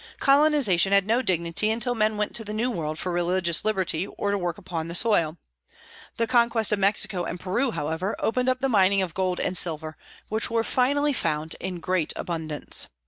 Colonization had no dignity until men went to the New World for religious liberty, or to work upon the soil. The conquest of Mexico and Peru, however, opened up the mining of gold and silver, which were finally found in great abundance.